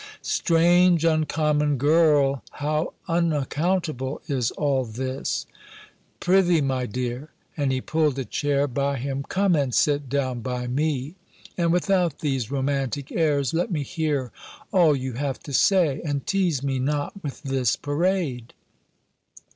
"Strange, uncommon girl I how unaccountable is all this! Pr'ythee, my dear," and he pulled a chair by him, "come and sit down by me, and without these romantic airs let me hear all you have to say; and teaze me not with this parade."